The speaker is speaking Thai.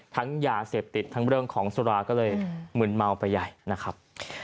ยาเสพติดทั้งเรื่องของสุราก็เลยมึนเมาไปใหญ่นะครับ